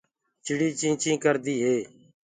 چِڙي چيٚنٚچيٚڪردي هي۔